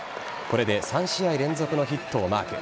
これで３試合連続のヒットをマーク。